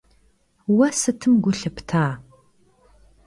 Vue sıtım gu lhıpta?